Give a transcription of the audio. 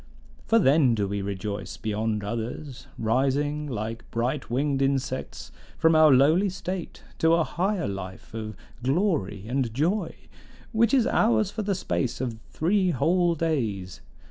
For then do we rejoice beyond others, rising like bright winged insects from our lowly state to a higher life of glory and joy, which is ours for the space of three whole days.